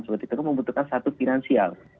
seperti itu membutuhkan satu finansial